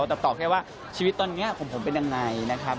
แต่ตอบแค่ว่าชีวิตตอนนี้ของผมเป็นยังไงนะครับ